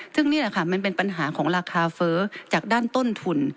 ซึ่งนี่แหละค่ะมันเป็นปัญหาของราคาเฟ้อจากด้านต้นทุน